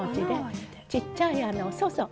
ちっちゃい穴をそうそう。